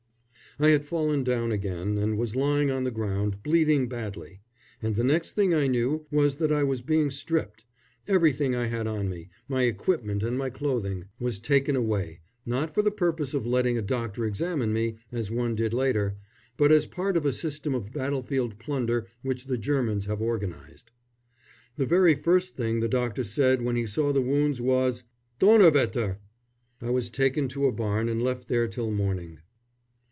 I had fallen down again and was lying on the ground, bleeding badly; and the next thing I knew was that I was being stripped. Everything I had on me, my equipment and my clothing, was taken away; not for the purpose of letting a doctor examine me, as one did later, but as part of a system of battlefield plunder which the Germans have organised. The very first thing the doctor said when he saw the wounds was "Donnerwetter!" I was taken to a barn and left there till morning.